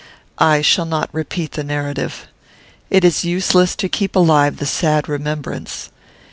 I shall not repeat the narrative. It is useless to keep alive the sad remembrance.